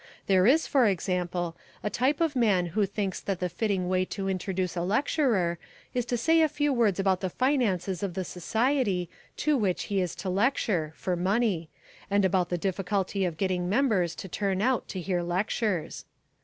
There is, for example, a type of man who thinks that the fitting way to introduce a lecturer is to say a few words about the finances of the society to which he is to lecture (for money) and about the difficulty of getting members to turn out to hear lectures.